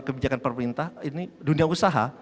kebijakan perpintah dunia usaha